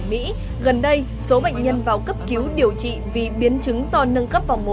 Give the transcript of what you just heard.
gần đây số bệnh nhân vào cấp cứu điều trị vì biến chứng do nâng cấp vòng một